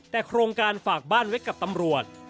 แต่โครงการฝากบ้านไว้กับตำรวจ